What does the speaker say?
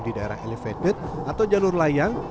di daerah elevated atau jalur layang